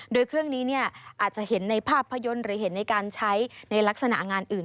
โดยเครื่องนี้อาจจะเห็นในภาพยนตร์หรือเห็นในการใช้ในลักษณะงานอื่น